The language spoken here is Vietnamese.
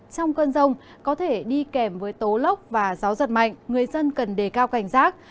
trong cơn rông có thể đi kèm với tố lốc và gió giật mạnh người dân cần đề cao cảnh giác